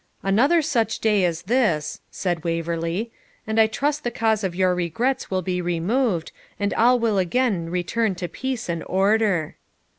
'Another such day as this,' said Waverley, 'and I trust the cause of your regrets will be removed, and all will again return to peace and order.'